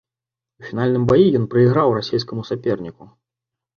У фінальным баі ён прайграў расійскаму саперніку.